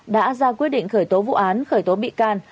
đã ra quyết định khởi tố vụ án khởi tố bị can